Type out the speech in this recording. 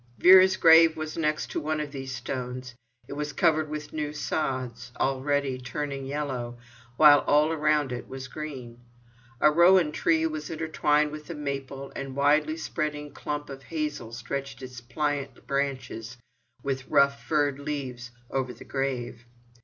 Vera's grave was next to one of these stones. It was covered with new sods, already turning yellow, while all around it was green. A rowan tree was intertwined with a maple, and a widely spreading clump of hazel stretched its pliant branches with rough furred leaves over the grave.